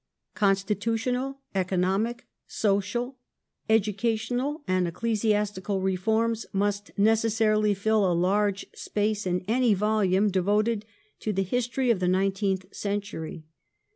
Constitutional, economic, social, educational and ecclesiastical reforms must necessarily fill a large space in any volume devoted to the history of the nineteenth century.